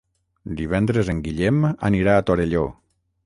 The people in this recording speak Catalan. Divendres en Guillem anirà a Torelló.